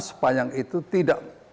sepanjang itu tidak